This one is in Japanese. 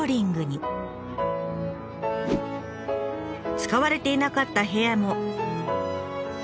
使われていなかった部屋も。